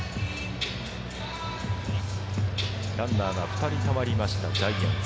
ランナーが２人たまった、ジャイアンツ。